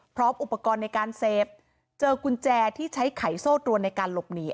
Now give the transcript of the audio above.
พร้อมอุปกรณ์ในการเสพเจอกุญแจที่ใช้ไขโซ่ตรวนในการหลบหนี